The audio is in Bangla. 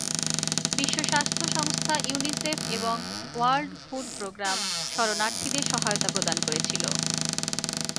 বিশ্ব স্বাস্থ্য সংস্থা, ইউনিসেফ এবং ওয়ার্ল্ড ফুড প্রোগ্রাম শরণার্থীদের সহায়তা প্রদান করেছিল।